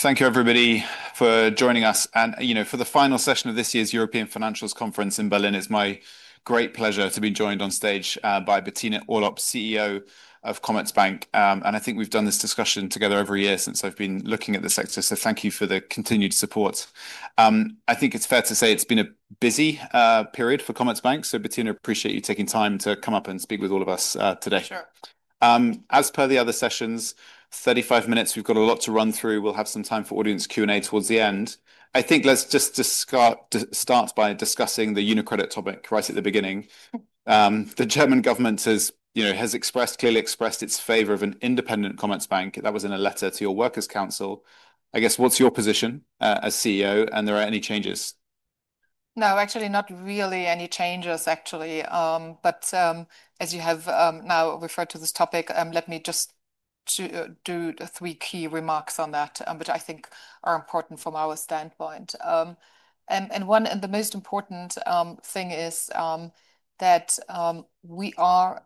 Thank you, everybody, for joining us. You know, for the final session of this year's European Financials Conference in Berlin, it's my great pleasure to be joined on stage by Bettina Orlopp, CEO of Commerzbank. I think we've done this discussion together every year since I've been looking at the sector. Thank you for the continued support. I think it's fair to say it's been a busy period for Commerzbank. Bettina, I appreciate you taking time to come up and speak with all of us today. Sure. As per the other sessions, 35 minutes. We've got a lot to run through. We'll have some time for audience Q&A towards the end. I think let's just start by discussing the UniCredit topic right at the beginning. The German government has, you know, has expressed, clearly expressed its favor of an independent Commerzbank. That was in a letter to your Workers' Council. I guess, what's your position as CEO? Are there any changes? No, actually, not really any changes, actually. As you have now referred to this topic, let me just do three key remarks on that, which I think are important from our standpoint. One of the most important things is that we are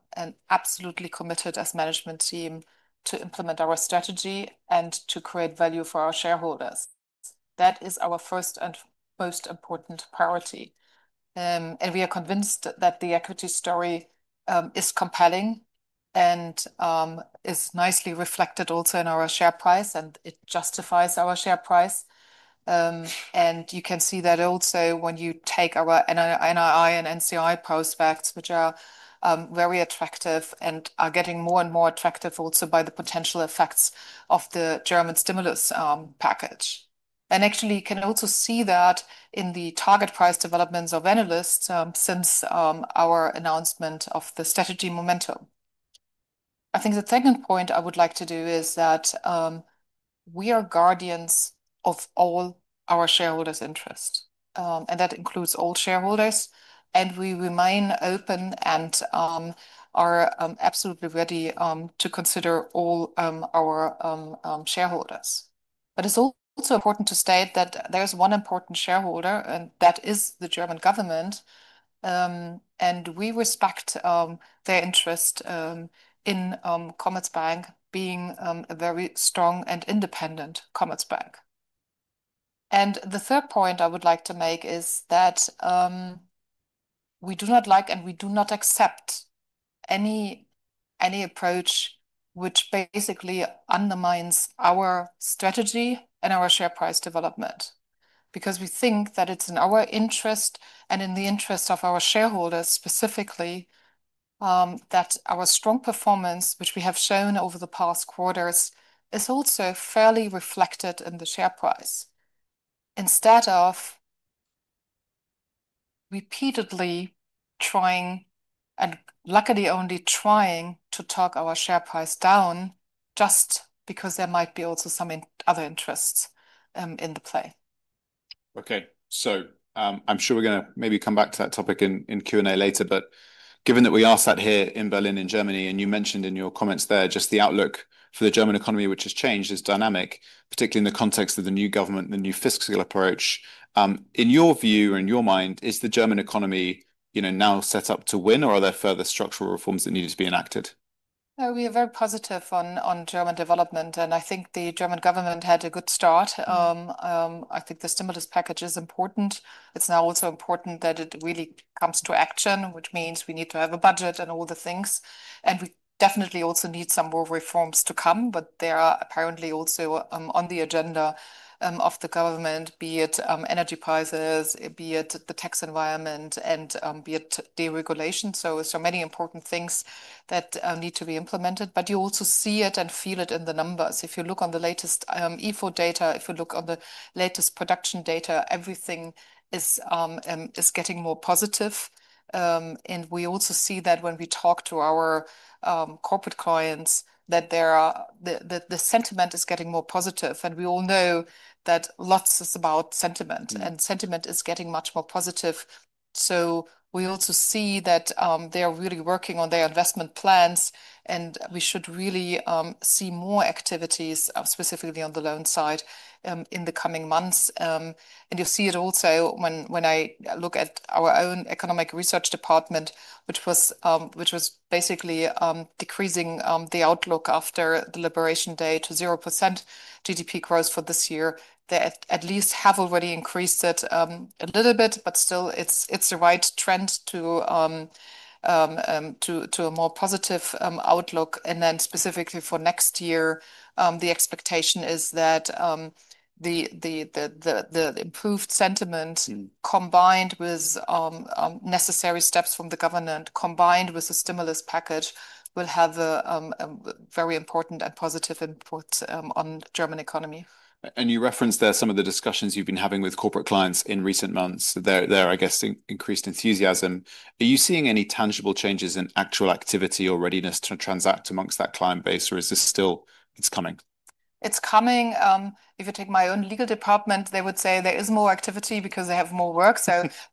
absolutely committed as a management team to implement our strategy and to create value for our shareholders. That is our first and most important priority. We are convinced that the equity story is compelling and is nicely reflected also in our share price, and it justifies our share price. You can see that also when you take our NII and NCI prospects, which are very attractive and are getting more and more attractive also by the potential effects of the German stimulus package. Actually, you can also see that in the target price developments of analysts since our announcement of the strategy momentum. I think the second point I would like to do is that we are guardians of all our shareholders' interests, and that includes all shareholders. We remain open and are absolutely ready to consider all our shareholders. It is also important to state that there is one important shareholder, and that is the German government. We respect their interest in Commerzbank being a very strong and independent Commerzbank. The third point I would like to make is that we do not like and we do not accept any approach which basically undermines our strategy and our share price development, because we think that it is in our interest and in the interest of our shareholders specifically that our strong performance, which we have shown over the past quarters, is also fairly reflected in the share price. Instead of repeatedly trying, and luckily only trying, to talk our share price down just because there might be also some other interests in the play. Okay. I'm sure we're going to maybe come back to that topic in Q&A later. Given that we asked that here in Berlin, in Germany, and you mentioned in your comments there just the outlook for the German economy, which has changed, is dynamic, particularly in the context of the new government, the new fiscal approach. In your view or in your mind, is the German economy, you know, now set up to win, or are there further structural reforms that need to be enacted? No, we are very positive on German development. I think the German government had a good start. I think the stimulus package is important. It is now also important that it really comes to action, which means we need to have a budget and all the things. We definitely also need some more reforms to come. They are apparently also on the agenda of the government, be it energy prices, be it the tax environment, and be it deregulation. Many important things need to be implemented. You also see it and feel it in the numbers. If you look on the latest Ifo data, if you look on the latest production data, everything is getting more positive. We also see that when we talk to our corporate clients, that the sentiment is getting more positive. We all know that lots is about sentiment, and sentiment is getting much more positive. We also see that they are really working on their investment plans, and we should really see more activities, specifically on the loan side, in the coming months. You see it also when I look at our own economic research department, which was basically decreasing the outlook after the liberation day to 0% GDP growth for this year. They at least have already increased it a little bit, but still, it is the right trend to a more positive outlook. Specifically for next year, the expectation is that the improved sentiment, combined with necessary steps from the government, combined with the stimulus package, will have a very important and positive impact on the German economy. You referenced there some of the discussions you've been having with corporate clients in recent months. There, I guess, increased enthusiasm. Are you seeing any tangible changes in actual activity or readiness to transact amongst that client base, or is this still, it's coming? It's coming. If you take my own legal department, they would say there is more activity because they have more work.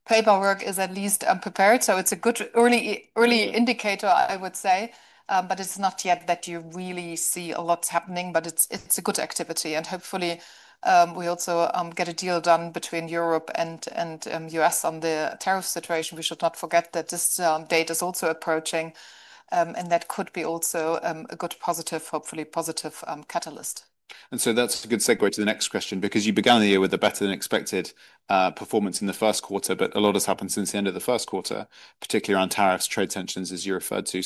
Paperwork is at least prepared. It's a good early indicator, I would say. It's not yet that you really see a lot happening, it's a good activity. Hopefully, we also get a deal done between Europe and the U.S. on the tariff situation. We should not forget that this date is also approaching, and that could be also a good positive, hopefully positive catalyst. That's a good segue to the next question, because you began the year with a better than expected performance in the first quarter, but a lot has happened since the end of the first quarter, particularly around tariffs, trade tensions, as you referred to.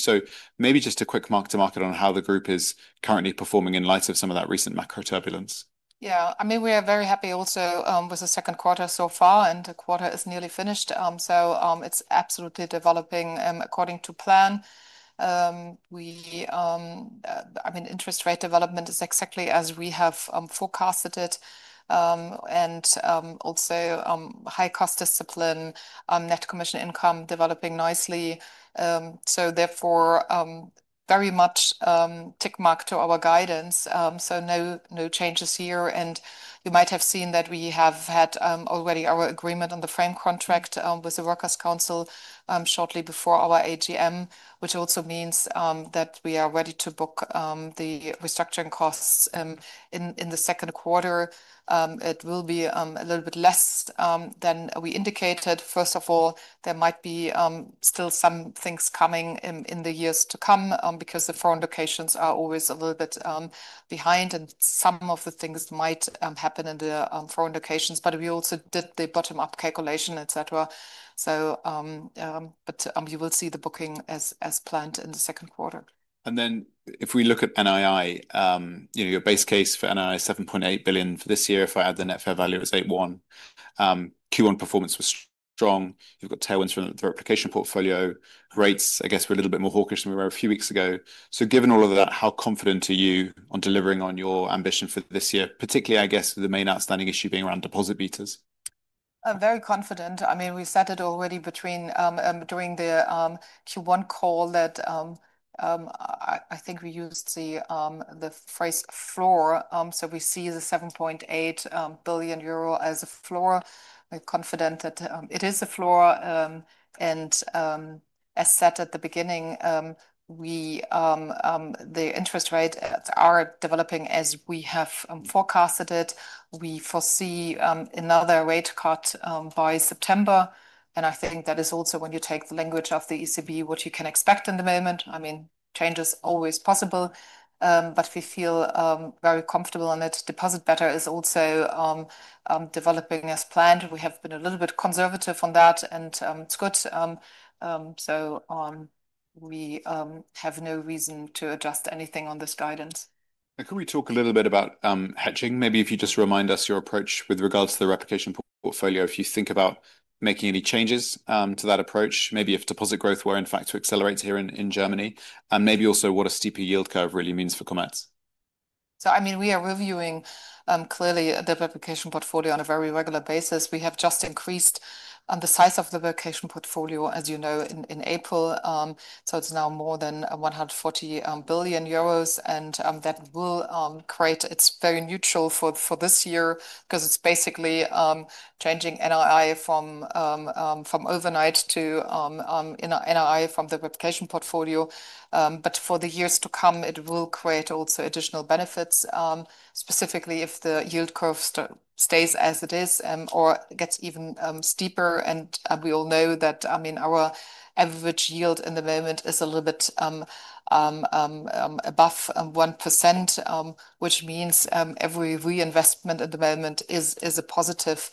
Maybe just a quick mark to market on how the group is currently performing in light of some of that recent macro turbulence. Yeah, I mean, we are very happy also with the second quarter so far, and the quarter is nearly finished. It is absolutely developing according to plan. I mean, interest rate development is exactly as we have forecasted it, and also high cost discipline, net commission income developing nicely. Therefore, very much tick mark to our guidance. No changes here. You might have seen that we have had already our agreement on the frame contract with the Workers' Council shortly before our AGM, which also means that we are ready to book the restructuring costs in the second quarter. It will be a little bit less than we indicated. First of all, there might be still some things coming in the years to come because the foreign locations are always a little bit behind, and some of the things might happen in the foreign locations. We also did the bottom-up calculation, et cetera. You will see the booking as planned in the second quarter. If we look at NII, you know, your base case for NII is 7.8 billion for this year. If I add the net fair value, it was 8.1 billion. Q1 performance was strong. You have got tailwinds from the replication portfolio. Rates, I guess, were a little bit more hawkish than we were a few weeks ago. Given all of that, how confident are you on delivering on your ambition for this year, particularly, I guess, with the main outstanding issue being around deposit meters? Very confident. I mean, we said it already during the Q1 call that I think we used the phrase floor. We see the 7.8 billion euro as a floor. We're confident that it is a floor. I mean, as said at the beginning, the interest rates are developing as we have forecasted it. We foresee another rate cut by September. I think that is also, when you take the language of the ECB, what you can expect in the moment. I mean, change is always possible, but we feel very comfortable in it. Deposit beta is also developing as planned. We have been a little bit conservative on that, and it's good. We have no reason to adjust anything on this guidance. Could we talk a little bit about hedging? Maybe if you just remind us your approach with regards to the replication portfolio, if you think about making any changes to that approach, maybe if deposit growth were in fact to accelerate here in Germany, and maybe also what a steeper yield curve really means for Commerzbank. I mean, we are reviewing clearly the replication portfolio on a very regular basis. We have just increased the size of the replication portfolio, as you know, in April. It is now more than 140 billion euros. That will create, it is very neutral for this year because it is basically changing NII from overnight to NII from the replication portfolio. For the years to come, it will create also additional benefits, specifically if the yield curve stays as it is or gets even steeper. We all know that, I mean, our average yield in the moment is a little bit above 1%, which means every reinvestment at the moment is a positive.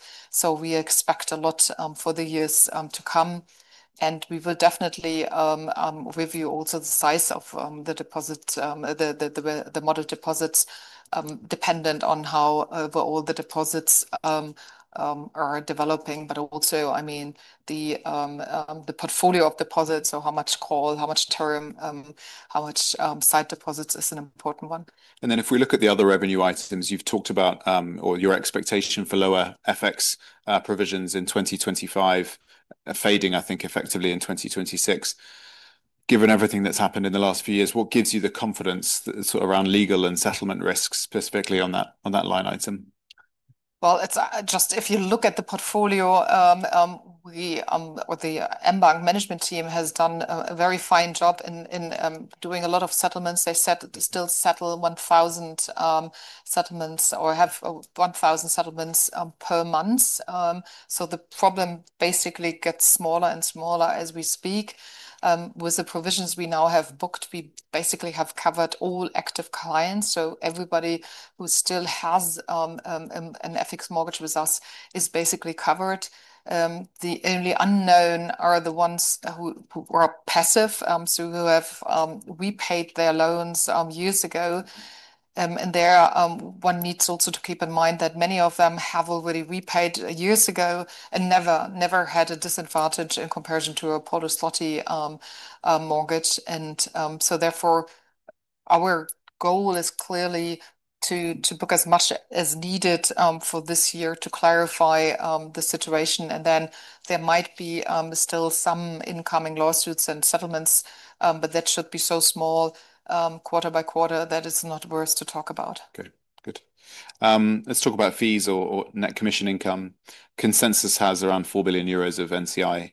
We expect a lot for the years to come. We will definitely review also the size of the deposit, the model deposits, dependent on how overall the deposits are developing. I mean, the portfolio of deposits, so how much call, how much term, how much side deposits is an important one. If we look at the other revenue items, you've talked about your expectation for lower FX provisions in 2025 fading, I think, effectively in 2026. Given everything that's happened in the last few years, what gives you the confidence around legal and settlement risks, specifically on that line item? If you look at the portfolio, the mBank Management Team has done a very fine job in doing a lot of settlements. They said they still settle 1,000 settlements or have 1,000 settlements per month. The problem basically gets smaller and smaller as we speak. With the provisions we now have booked, we basically have covered all active clients. Everybody who still has an FX mortgage with us is basically covered. The only unknown are the ones who are passive, who have repaid their loans years ago. One needs also to keep in mind that many of them have already repaid years ago and never had a disadvantage in comparison to a Polish zloty mortgage. Therefore, our goal is clearly to book as much as needed for this year to clarify the situation. There might be still some incoming lawsuits and settlements, but that should be so small quarter by quarter that it's not worth to talk about. Okay, good. Let's talk about fees or net commission income. Consensus has around 4 billion euros of NCI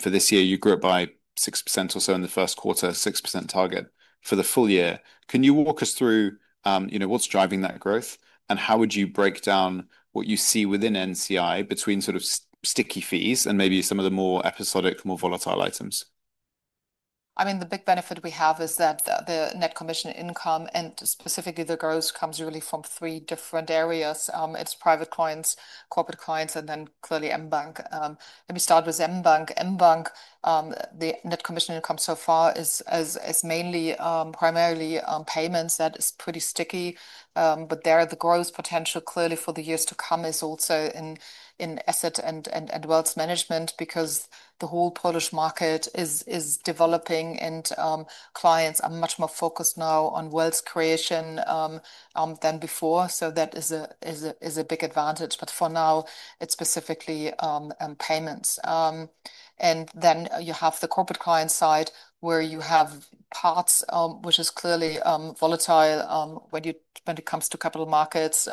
for this year. You grew it by 6% or so in the first quarter, 6% target for the full year. Can you walk us through what's driving that growth, and how would you break down what you see within NCI between sort of sticky fees and maybe some of the more episodic, more volatile items? I mean, the big benefit we have is that the net commission income and specifically the growth comes really from three different areas. It is private clients, corporate clients, and then clearly mBank. Let me start with mBank. mBank, the net commission income so far is mainly primarily payments. That is pretty sticky. There the growth potential clearly for the years to come is also in asset and wealth management because the whole Polish market is developing and clients are much more focused now on wealth creation than before. That is a big advantage. For now, it is specifically payments. You have the corporate client side where you have parts which is clearly volatile. When it comes to capital markets,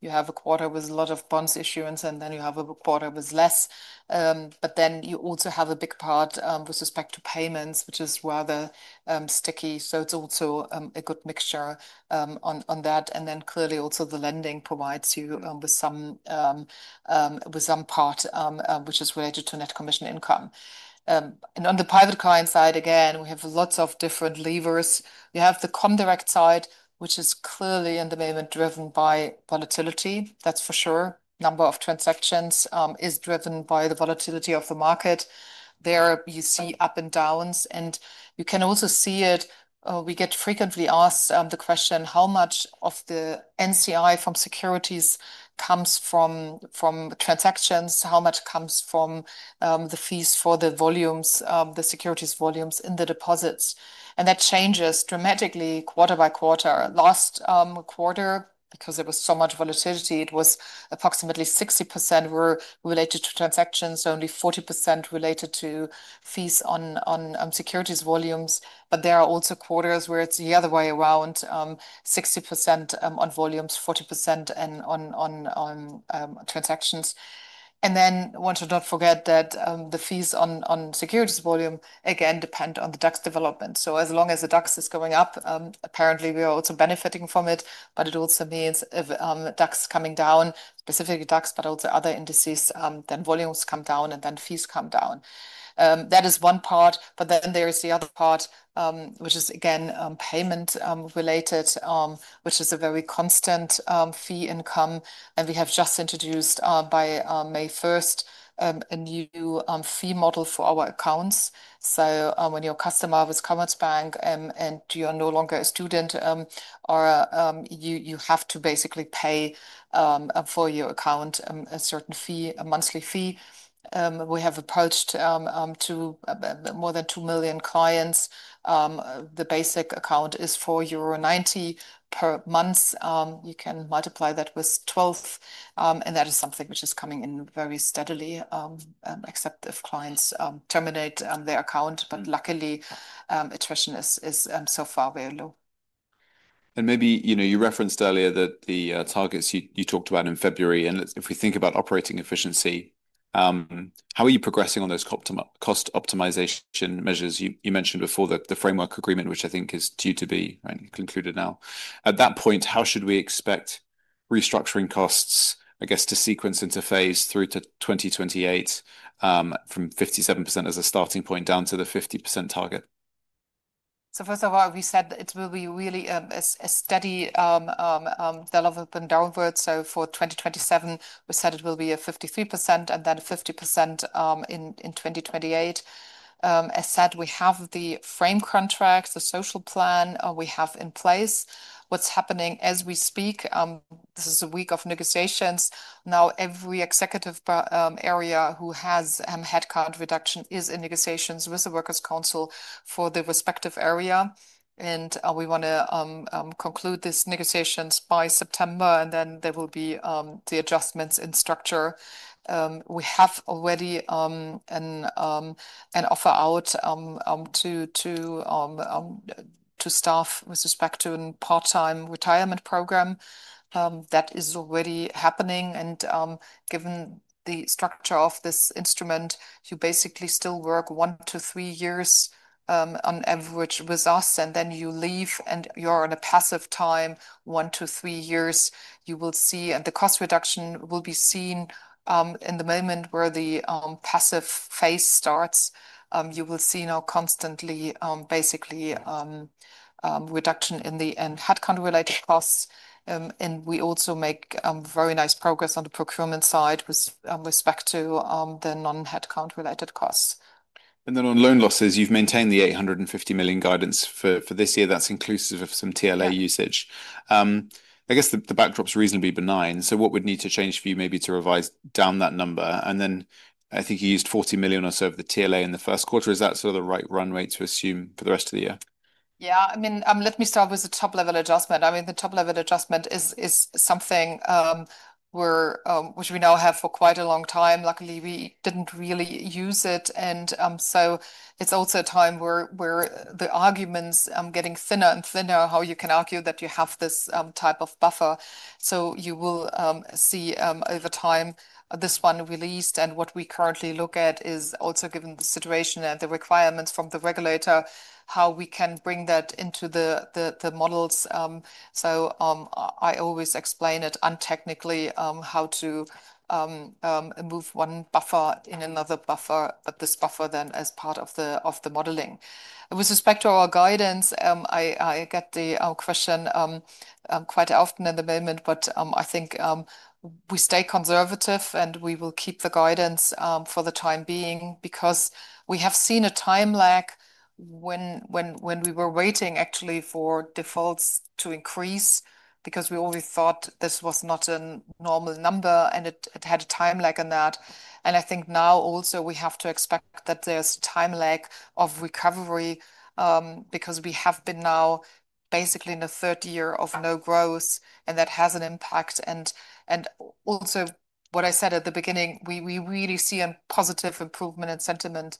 you have a quarter with a lot of bonds issuance, and you have a quarter with less. You also have a big part with respect to payments, which is rather sticky. It is also a good mixture on that. Clearly, also the lending provides you with some part which is related to net commission income. On the private client side, again, we have lots of different levers. You have the Comdirect side, which is clearly in the moment driven by volatility. That is for sure. Number of transactions is driven by the volatility of the market. There you see up and downs. You can also see it. We get frequently asked the question, how much of the NCI from securities comes from transactions, how much comes from the fees for the volumes, the securities volumes in the deposits. That changes dramatically quarter by quarter. Last quarter, because there was so much volatility, it was approximately 60% were related to transactions, only 40% related to fees on securities volumes. There are also quarters where it is the other way around, 60% on volumes, 40% on transactions. One should not forget that the fees on securities volume again depend on the DAX development. As long as the DAX is going up, apparently we are also benefiting from it. It also means if DAX is coming down, specifically DAX, but also other indices, then volumes come down and then fees come down. That is one part. There is the other part, which is again payment related, which is a very constant fee income. We have just introduced by May 1st a new fee model for our accounts. When you are a customer with Commerzbank and you are no longer a student, you have to basically pay for your account a certain fee, a monthly fee. We have approached more than two million clients. The basic account is 4.90 euro per month. You can multiply that with 12. That is something which is coming in very steadily, except if clients terminate their account. Luckily, attrition is so far very low. Maybe you referenced earlier that the targets you talked about in February, and if we think about operating efficiency, how are you progressing on those cost optimization measures you mentioned before, the framework agreement, which I think is due to be concluded now? At that point, how should we expect restructuring costs, I guess, to sequence into phase through to 2028 from 57% as a starting point down to the 50% target? First of all, we said it will be really a steady development downward. For 2027, we said it will be 53% and then 50% in 2028. As said, we have the frame contract, the social plan we have in place. What's happening as we speak, this is a week of negotiations. Now, every executive area who has headcount reduction is in negotiations with the Workers' Council for the respective area. We want to conclude these negotiations by September, and then there will be the adjustments in structure. We have already an offer out to staff with respect to a part-time retirement program. That is already happening. Given the structure of this instrument, you basically still work one to three years on average with us, and then you leave and you are on a passive time one to three years. You will see, the cost reduction will be seen in the moment where the passive phase starts. You will see now constantly, basically, reduction in the headcount-related costs. We also make very nice progress on the procurement side with respect to the non-headcount-related costs. On loan losses, you have maintained the 850 million guidance for this year. That is inclusive of some TLA usage. I guess the backdrop is reasonably benign. What would need to change for you maybe to revise down that number? I think you used 40 million or so of the TLA in the first quarter. Is that sort of the right run rate to assume for the rest of the year? Yeah, I mean, let me start with the top-level adjustment. I mean, the top-level adjustment is something which we now have for quite a long time. Luckily, we did not really use it. It is also a time where the arguments are getting thinner and thinner, how you can argue that you have this type of buffer. You will see over time this one released. What we currently look at is also given the situation and the requirements from the regulator, how we can bring that into the models. I always explain it untechnically how to move one buffer in another buffer, but this buffer then as part of the modeling. With respect to our guidance, I get the question quite often at the moment, but I think we stay conservative and we will keep the guidance for the time being because we have seen a time lag when we were waiting actually for defaults to increase because we always thought this was not a normal number and it had a time lag in that. I think now also we have to expect that there is a time lag of recovery because we have been now basically in a third year of no growth and that has an impact. Also, what I said at the beginning, we really see a positive improvement in sentiment.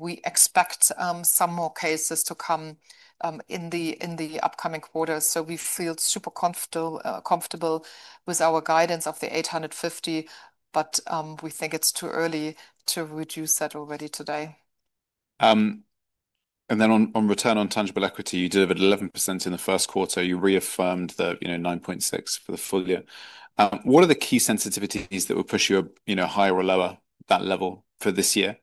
We expect some more cases to come in the upcoming quarter. We feel super comfortable with our guidance of the 850 million, but we think it is too early to reduce that already today. On return on tangible equity, you did about 11% in the first quarter. You reaffirmed the 9.6% for the full year. What are the key sensitivities that will push you higher or lower at that level for this year?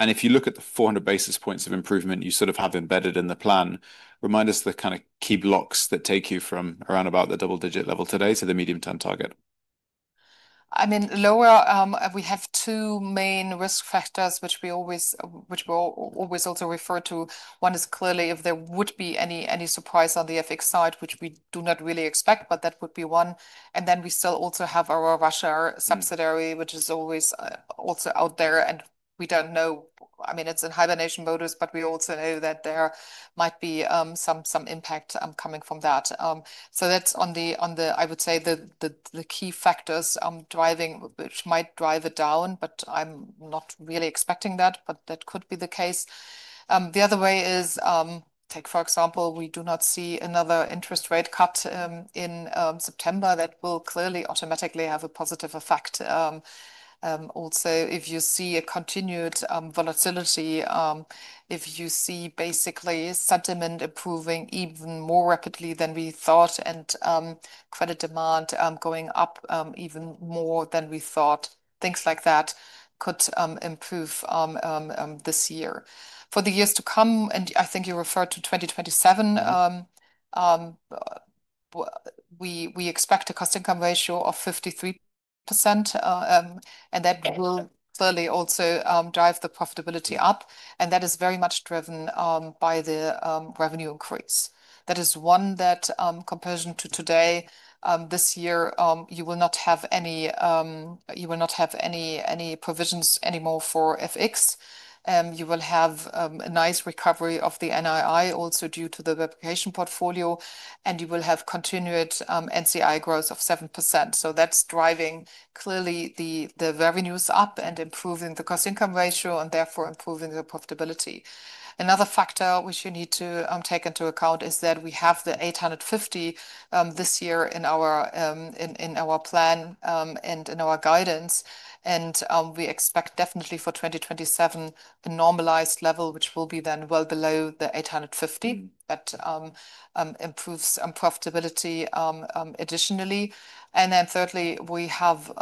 If you look at the 400 basis points of improvement you sort of have embedded in the plan, remind us the kind of key blocks that take you from around about the double-digit level today to the medium-term target. I mean, lower, we have two main risk factors which we always also refer to. One is clearly if there would be any surprise on the FX side, which we do not really expect, but that would be one. Then we still also have our Russia subsidiary, which is always also out there. We do not know, I mean, it is in hibernation mode, but we also know that there might be some impact coming from that. That is on the, I would say, the key factors driving, which might drive it down, but I am not really expecting that, but that could be the case. The other way is, take for example, we do not see another interest rate cut in September. That will clearly automatically have a positive effect. Also, if you see a continued volatility, if you see basically sentiment improving even more rapidly than we thought and credit demand going up even more than we thought, things like that could improve this year. For the years to come, and I think you referred to 2027, we expect a cost-income ratio of 53%, and that will clearly also drive the profitability up. That is very much driven by the revenue increase. That is one that comparison to today, this year, you will not have any, you will not have any provisions anymore for FX. You will have a nice recovery of the NII also due to the replication portfolio, and you will have continued NCI growth of 7%. That is driving clearly the revenues up and improving the cost-income ratio and therefore improving the profitability. Another factor which you need to take into account is that we have the 850 million this year in our plan and in our guidance. We expect definitely for 2027 a normalized level, which will be then well below the 850 million, but improves profitability additionally. Thirdly, we have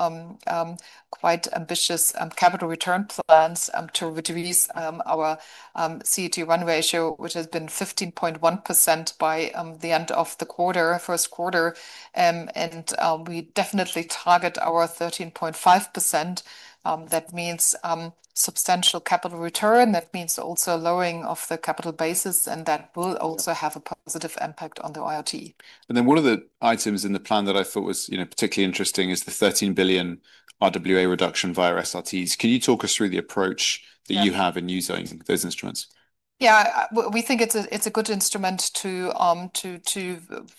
quite ambitious capital return plans to reduce our CET1 ratio, which has been 15.1% by the end of the first quarter. We definitely target our 13.5%. That means substantial capital return. That means also lowering of the capital basis, and that will also have a positive impact on the CET1. One of the items in the plan that I thought was particularly interesting is the 13 billion RWA reduction via SRTs. Can you talk us through the approach that you have in using those instruments? Yeah, we think it's a good instrument to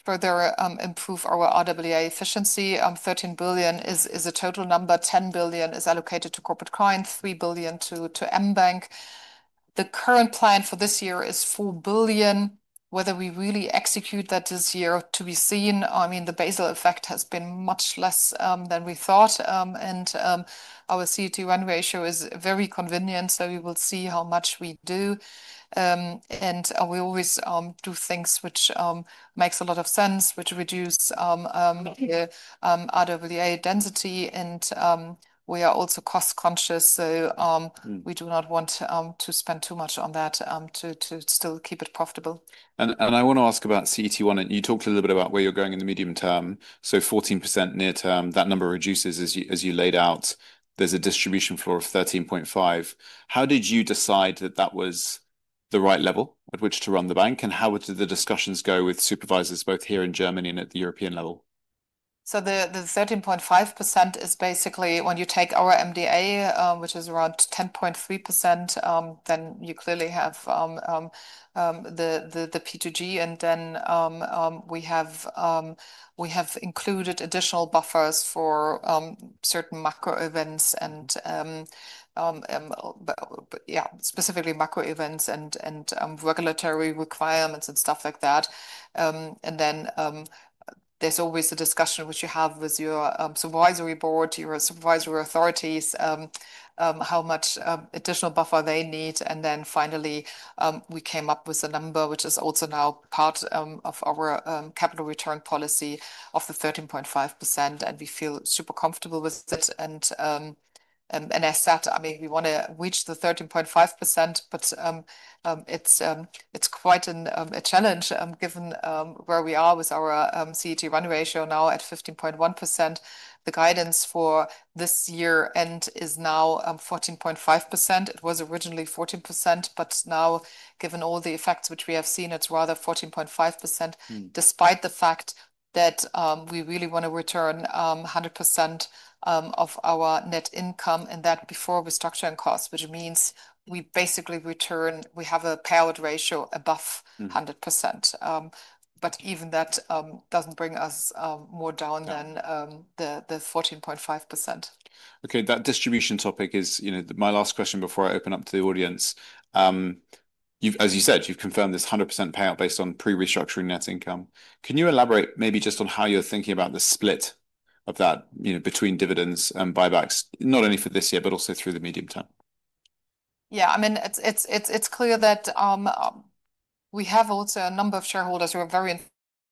further improve our RWA efficiency. 13 billion is a total number. 10 billion is allocated to Corporate Clients, 3 billion to mBank. The current plan for this year is 4 billion. Whether we really execute that this year to be seen, I mean, the Basel effect has been much less than we thought. Our CET1 ratio is very convenient, so we will see how much we do. We always do things which make a lot of sense, which reduce the RWA density. We are also cost-conscious, so we do not want to spend too much on that to still keep it profitable. I want to ask about CET1. You talked a little bit about where you're going in the medium term. Fourteen percent near term, that number reduces as you laid out. There's a distribution floor of 13.5%. How did you decide that that was the right level at which to run the bank? How did the discussions go with supervisors both here in Germany and at the European level? The 13.5% is basically when you take our MDA, which is around 10.3%, then you clearly have the P2G. We have included additional buffers for certain macro events and, yeah, specifically macro events and regulatory requirements and stuff like that. There is always a discussion which you have with your supervisory board, your supervisory authorities, how much additional buffer they need. Finally, we came up with a number, which is also now part of our capital return policy of the 13.5%. We feel super comfortable with it. As said, I mean, we want to reach the 13.5%, but it is quite a challenge given where we are with our CET1 ratio now at 15.1%. The guidance for this year end is now 14.5%. It was originally 14%, but now given all the effects which we have seen, it's rather 14.5% despite the fact that we really want to return 100% of our net income and that before restructuring costs, which means we basically return, we have a payout ratio above 100%. Even that does not bring us more down than the 14.5%. Okay, that distribution topic is my last question before I open up to the audience. As you said, you've confirmed this 100% payout based on pre-restructuring net income. Can you elaborate maybe just on how you're thinking about the split of that between dividends and buybacks, not only for this year, but also through the medium term? Yeah, I mean, it's clear that we have also a number of shareholders who are very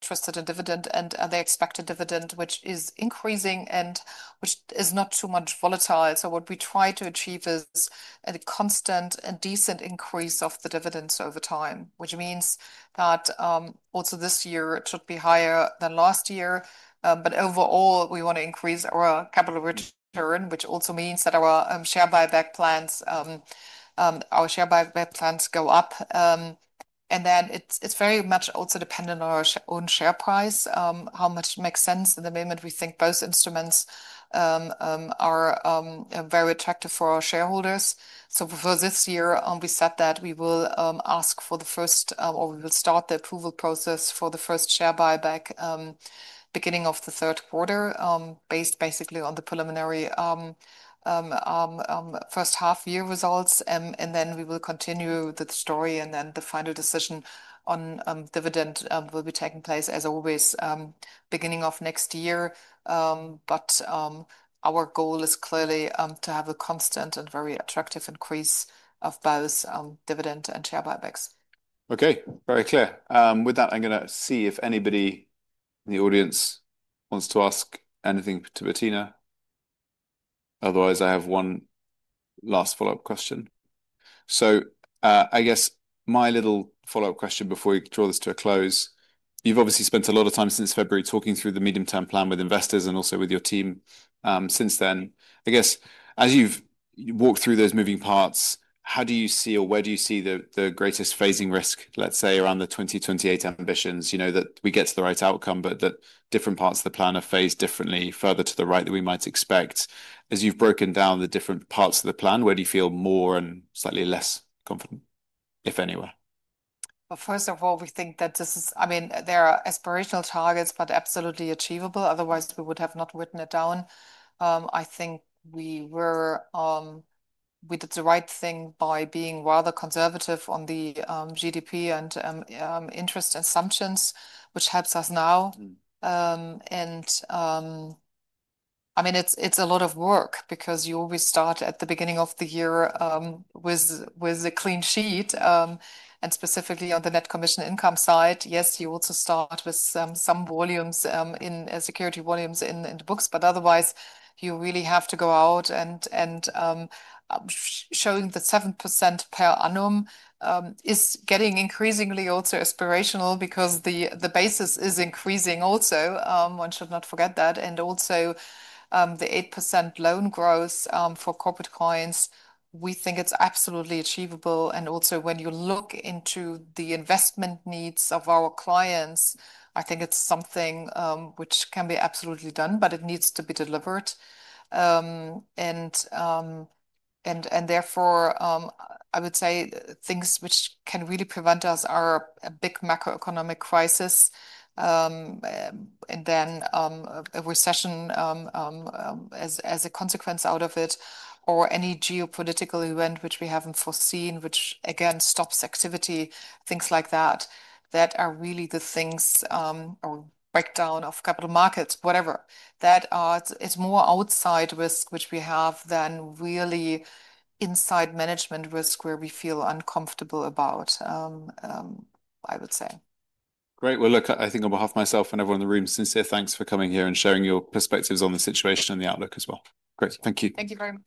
interested in dividend and they expect a dividend, which is increasing and which is not too much volatile. What we try to achieve is a constant and decent increase of the dividends over time, which means that also this year it should be higher than last year. Overall, we want to increase our capital return, which also means that our share buyback plans go up. It is very much also dependent on our own share price, how much makes sense in the moment. We think both instruments are very attractive for our shareholders. For this year, we said that we will ask for the first or we will start the approval process for the first share buyback beginning of the third quarter, basically based on the preliminary first half-year results. We will continue the story and the final decision on dividend will be taking place as always beginning of next year. Our goal is clearly to have a constant and very attractive increase of both dividend and share buybacks. Okay, very clear. With that, I'm going to see if anybody in the audience wants to ask anything to Bettina. Otherwise, I have one last follow-up question. I guess my little follow-up question before we draw this to a close. You've obviously spent a lot of time since February talking through the medium-term plan with investors and also with your team since then. I guess as you've walked through those moving parts, how do you see or where do you see the greatest phasing risk, let's say around the 2028 ambitions, you know, that we get to the right outcome, but that different parts of the plan are phased differently further to the right than we might expect? As you've broken down the different parts of the plan, where do you feel more and slightly less confident, if anywhere? First of all, we think that this is, I mean, there are aspirational targets, but absolutely achievable. Otherwise, we would have not written it down. I think we did the right thing by being rather conservative on the GDP and interest assumptions, which helps us now. I mean, it's a lot of work because you always start at the beginning of the year with a clean sheet and specifically on the net commission income side. Yes, you also start with some volumes in security volumes in the books, but otherwise you really have to go out and showing the 7% per annum is getting increasingly also aspirational because the basis is increasing also. One should not forget that. Also, the 8% loan growth for corporate clients, we think it's absolutely achievable. When you look into the investment needs of our clients, I think it is something which can be absolutely done, but it needs to be delivered. Therefore, I would say things which can really prevent us are a big macroeconomic crisis and then a recession as a consequence out of it or any geopolitical event which we have not foreseen, which again stops activity, things like that. Those are really the things, or breakdown of capital markets, whatever. That is more outside risk which we have than really inside management risk where we feel uncomfortable about, I would say. Great. Look, I think on behalf of myself and everyone in the room, sincere thanks for coming here and sharing your perspectives on the situation and the outlook as well. Great. Thank you. Thank you very much.